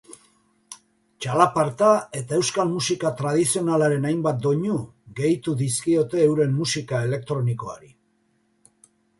Txalaparta eta euskal musika tradizionalaren hainbat doinu gehitu dizkiote euren musika elektronikoari.